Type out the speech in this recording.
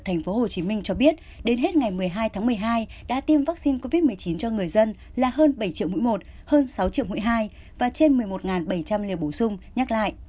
tp hcm cho biết đến hết ngày một mươi hai tháng một mươi hai đã tiêm vaccine covid một mươi chín cho người dân là hơn bảy triệu mũi một hơn sáu triệu mũi hai và trên một mươi một bảy trăm linh liều bổ sung nhắc lại